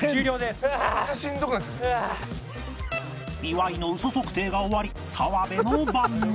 岩井の嘘測定が終わり澤部の番に